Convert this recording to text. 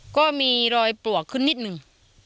ก็มีรอยปลวกขึ้นนิดนึง